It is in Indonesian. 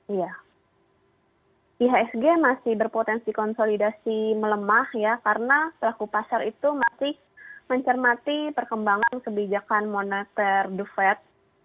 iya ihsg masih berpotensi konsolidasi melemah ya karena pelaku pasar itu masih mencermati perkembangan kebijakan moneter the fed